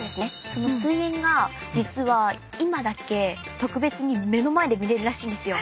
その水煙が実は今だけ特別に目の前で見れるらしいんですよ。